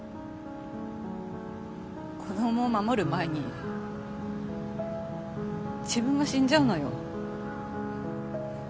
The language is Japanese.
子供を守る前に自分が死んじゃうのよ。